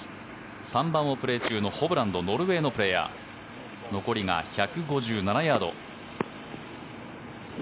３番をプレー中のホブランドノルウェーのプレーヤー残りが１５７ヤード。